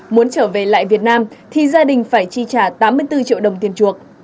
muốn trở về lại việt nam thì gia đình phải chi trả tám mươi bốn triệu đồng tiền chuộc